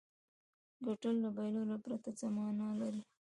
ګټل له بایللو پرته څه معنا لري.